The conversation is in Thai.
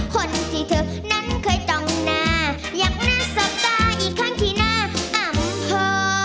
คนที่เธอนั้นเคยต้องน่าอยากหน้าสบตาอีกครั้งที่หน้าอำพอ